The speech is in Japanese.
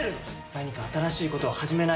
何か新しいことを始めないと。